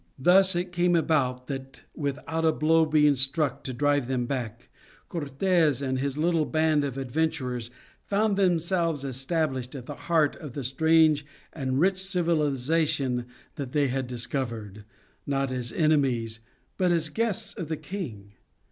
Thus it came about that without a blow being struck to drive them back Cortes and his little band of adventurers found themselves established at the heart of the strange and rich civilization that they had discovered, not as enemies, but as the guests of the king.